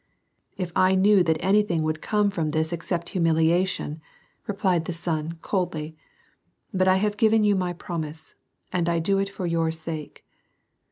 ''If I knew that anything would come from this except humiliation," replied the son, coldly. " But I have given you my promise, and I do it for your sake."